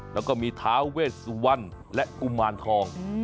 แล้วก็มีท้าเวชสุวรรณและกุมารทอง